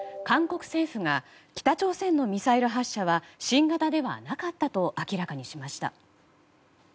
韓国政府が北朝鮮のミサイル発射は新型ではなかったと明らかにしました。